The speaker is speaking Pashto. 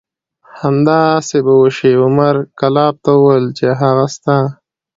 همداسې به وشي. عمر کلاب ته وویل چې هغه ستا